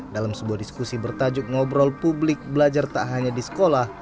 dalam sebuah diskusi bertajuk ngobrol publik belajar tak hanya di sekolah